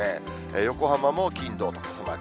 横浜も金、土と傘マーク。